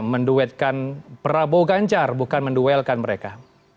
menduetkan prabowo ganjar bukan menduelkan mereka